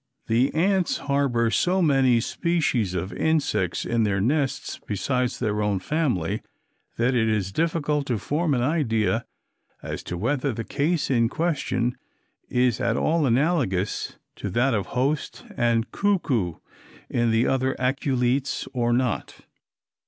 The ants harbour so many species of insects in their nests besides their own family that it is difficult to form an idea as to whether the case in question is at all analogous to that of host and cuckoo in the other aculeates or not.